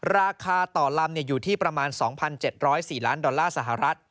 ราคาต่อลำอยู่ที่ประมาณ๒๗๐๔ล้านดอลลาร์สหรัฐ